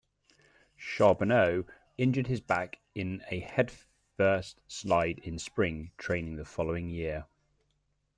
Charboneau injured his back in a headfirst slide in spring training the following year.